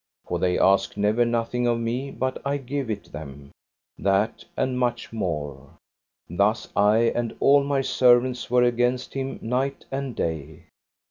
For they ask never nothing of me but I give it them, that and much more. Thus I and all my servants were against him night and day.